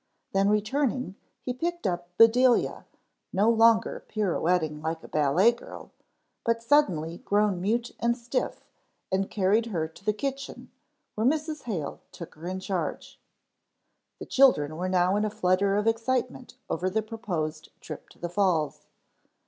Then returning he picked up Bedelia, no longer pirouetting like a ballet girl, but suddenly grown mute and stiff, and carried her to the kitchen, where Mrs. Hale took her in charge. The children were now in a flutter of excitement over the proposed trip to the Falls.